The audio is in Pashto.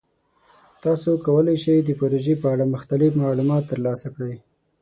تاسو کولی شئ د پروژې په اړه مختلف معلومات ترلاسه کړئ.